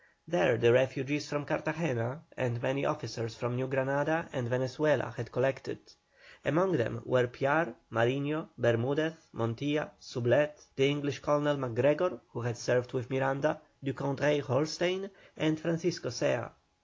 There the refugees from Cartagena, and many officers from New Granada and Venezuela had collected. Among them were Piar, Mariño, Bermudez, Montilla, Soublette, the English Colonel MacGregor, who had served with Miranda, Doucoudray Holstein, and Francisco Zea.